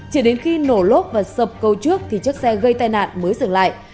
chỉ đến khi nổ lốp và sập cầu trước thì chiếc xe gây tai nạn mới dừng lại